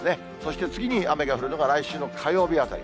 そして次に雨が降るのは来週の火曜日あたり。